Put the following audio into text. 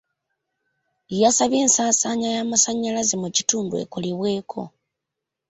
Yasabye ensaasaanya y'amasannyalaze mu kitundu ekolebweeko.